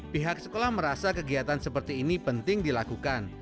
pihak sekolah merasa kegiatan seperti ini penting dilakukan